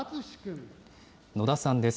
野田さんです。